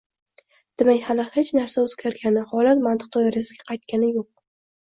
Demak, hali hech narsa o‘zgargani, holat mantiq doirasiga qaytgani yo‘q.